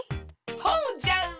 ほうじゃ！